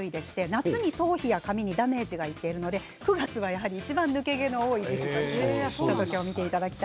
夏に頭皮や髪がダメージを受けるので９月がいちばん抜け毛が多い時期だそうです。